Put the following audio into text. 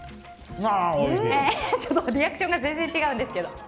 リアクションが全然違うんですけど。